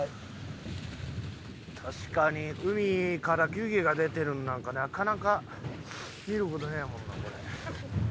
確かに海から湯気が出てるのなんかなかなか見る事ねえもんなこれ。